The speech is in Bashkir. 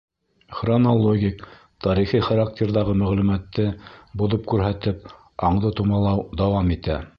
Хронологик, тарихи характерҙағы мәғлүмәтте боҙоп күрһәтеп, аңды томалау дауам итә.